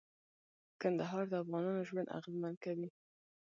کندهار د افغانانو ژوند اغېزمن کوي.